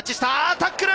タックル！